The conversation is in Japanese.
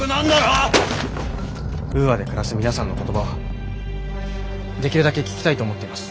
ウーアで暮らす皆さんの言葉はできるだけ聞きたいと思っています。